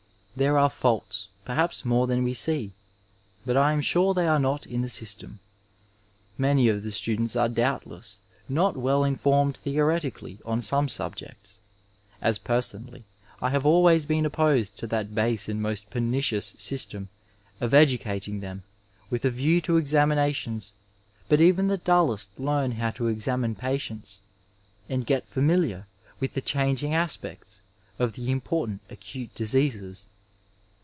There are faults, perhaps more than we see, but I am sure they are not in the syst^n. Many of the students are doubtless not well informed theoretically on some subjects, as personally I have always been opposed to that base and niost pernicious system of educating them with a view to examinations, but even ihe dullest learn how to examine patients, and get familiar with the changing aspects of the important acute diseases.